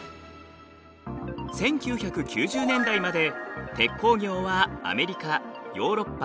１９９０年代まで鉄鋼業はアメリカヨーロッパ